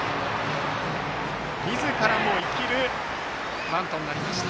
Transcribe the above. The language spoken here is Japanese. みずからも生きるバントになりました。